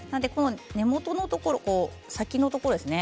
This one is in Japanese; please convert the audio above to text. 根元のところ、先のところですね